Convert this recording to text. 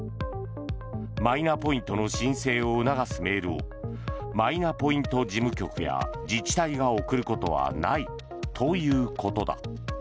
マイナポイントの申請を促すメールをマイナポイント事務局や自治体が送ることはないということだ。